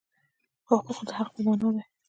حقوق د حق په مانا دي.